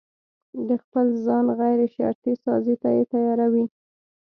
د خپل ځان غيرشرطي سازي ته يې تياروي.